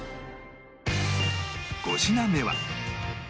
５品目は